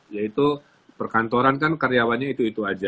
yaitu perkantoran kan karyawannya itu itu aja